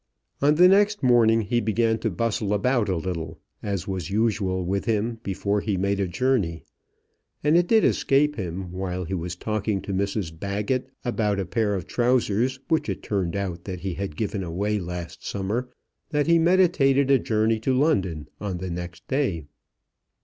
On the next morning he began to bustle about a little, as was usual with him before he made a journey; and it did escape him, while he was talking to Mrs Baggett about a pair of trousers which it turned out that he had given away last summer, that he meditated a journey to London on the next day.